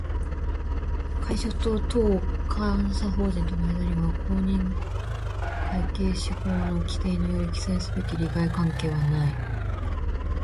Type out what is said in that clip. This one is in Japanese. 会社と当監査法人との間には、公認会計士法の規定により記載すべき利害関係はない